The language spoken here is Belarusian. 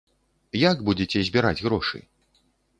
Як будзеце збіраць грошы?